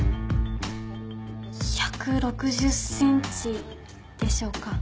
１６０ｃｍでしょうか？